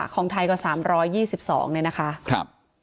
ของไทยก็๓๒๒เลยนะคะ